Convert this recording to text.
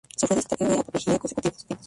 Sufrió dos ataques de apoplejía consecutivos.